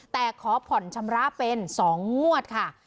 แต่ขอผ่อนชำระเป็น๒งวดค่ะ